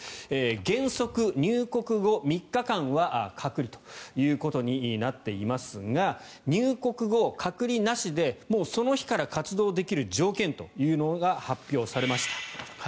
原則、入国後３日間は隔離ということになっていますが入国後、隔離なしでもうその日から活動できる条件というのが発表されました。